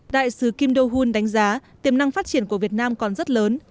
đại sứ kim do hun đánh giá tiềm năng phát triển của việt nam còn rất lớn